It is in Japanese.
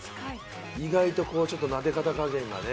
意外とちょっとなで肩加減がね。